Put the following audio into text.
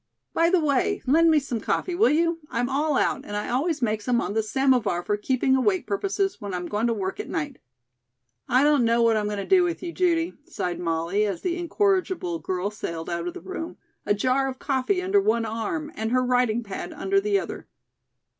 By the way, lend me some coffee, will you? I'm all out, and I always make some on the samovar for keeping awake purposes when I'm going to work at night." "I don't know what I'm going to do with you, Judy," sighed Molly, as the incorrigible girl sailed out of the room, a jar of coffee under one arm and her writing pad under the other.